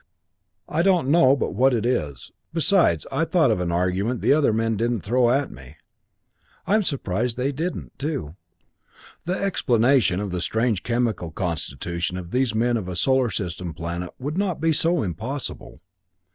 I don't know but what it is. Besides, I thought of an argument the other men didn't throw at me. I'm surprised they didn't, too the explanation of the strange chemical constitution of these men of a solar system planet would not be so impossible.